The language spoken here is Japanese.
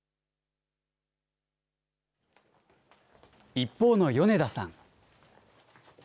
一方の米田さん。